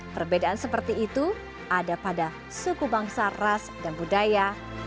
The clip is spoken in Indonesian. perbedaan seperti itu ada pada suku bangsa ras dan budaya